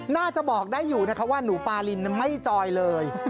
น่าจะบอกได้อยู่นะคะว่าหนูปารินไม่จอยเลย